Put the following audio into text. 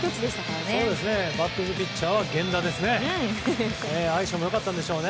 バッティングピッチャーは源田でしたね。